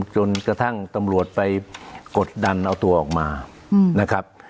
จนกระทั่งตำรวจไปกดดันเอาตัวออกมานะครับ